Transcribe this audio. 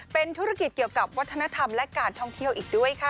เป็นธุรกิจเกี่ยวกับวัฒนธรรมและการท่องเที่ยวอีกด้วยค่ะ